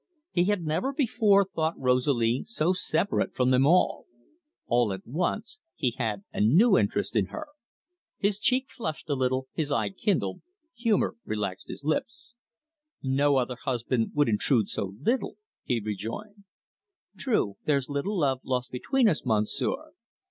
He had never before thought Rosalie so separate from them all. All at once he had a new interest in her. His cheek flushed a little, his eye kindled, humour relaxed his lips. "No other husband would intrude so little," he rejoined. "True, there's little love lost between us, Monsieur."